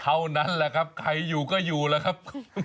เท่านั้นแหละครับใครอยู่ก็อยู่แล้วครับ